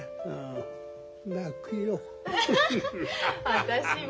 私も。